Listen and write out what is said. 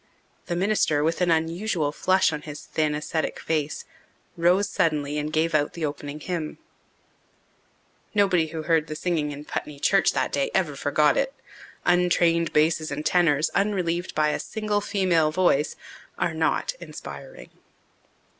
The minister, with an unusual flush on his thin, ascetic face, rose suddenly and gave out the opening hymn. Nobody who heard the singing in Putney church that day ever forgot it. Untrained basses and tenors, unrelieved by a single female voice, are not inspiring.